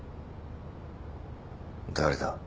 誰だ。